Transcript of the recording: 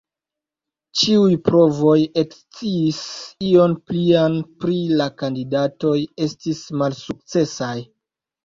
Ĉiuj provoj ekscii ion plian pri la kandidatoj estis malsukcesaj.